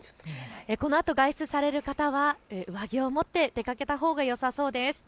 このあと外出される方は上着を持って出かけたほうがよさそうです。